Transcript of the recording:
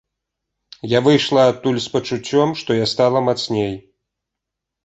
Я выйшла адтуль з пачуццём, што я стала мацней.